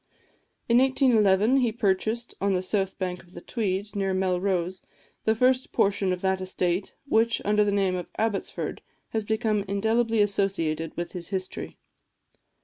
In 1811 he purchased, on the south bank of the Tweed, near Melrose, the first portion of that estate which, under the name of Abbotsford, has become indelibly associated with his history.